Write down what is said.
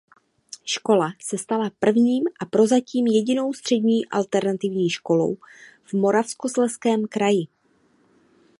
Škola se stala první a prozatím jedinou střední alternativní školou v Moravskoslezském kraji.